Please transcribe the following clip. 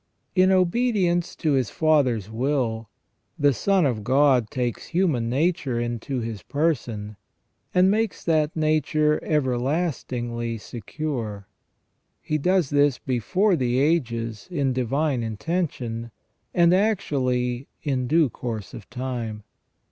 In obedience to His Father's will, the Son of God takes human nature into His person, and makes that nature everlastingly secure. He does this before the ages in divine intention, and actually in due course of time.